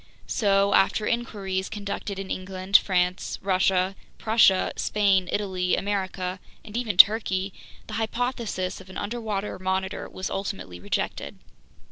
So, after inquiries conducted in England, France, Russia, Prussia, Spain, Italy, America, and even Turkey, the hypothesis of an underwater Monitor was ultimately rejected.